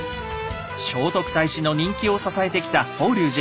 聖徳太子の人気を支えてきた法隆寺。